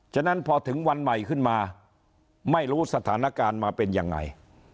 ฉะนั้นพอถึงวันใหม่ขึ้นมาไม่รู้สถานการณ์มาเป็นยังไง